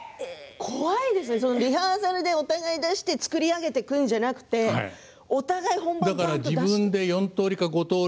怖いですねリハーサルでお互い出して作り上げていくのではなくてお互い本番で出すと。